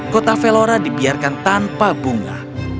kota velora dibiarkan tanpa bunga